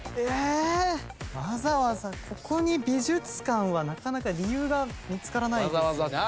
わざわざここに美術館はなかなか理由が見つからないです。